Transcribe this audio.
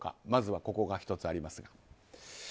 まずはここが１つありますが。